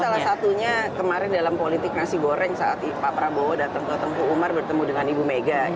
salah satunya kemarin dalam politik nasi goreng saat pak prabowo datang ke tempuh umar bertemu dengan ibu mega